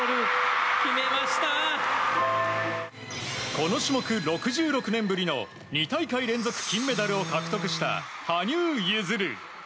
この種目６６年ぶりの２大会連続金メダルを獲得した羽生結弦。